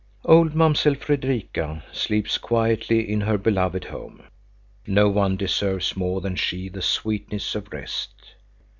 Old Mamsell Fredrika sleeps quietly in her beloved home. No one deserves more than she the sweetness of rest.